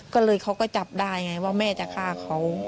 ก็เลยเขาก็จับได้ไงว่าแม่จะฆ่าเขา